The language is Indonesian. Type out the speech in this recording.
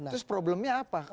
terus problemnya apa